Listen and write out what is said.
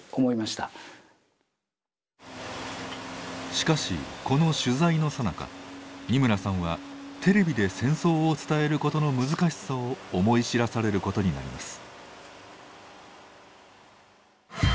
しかしこの取材のさなか二村さんはテレビで戦争を伝えることの難しさを思い知らされることになります。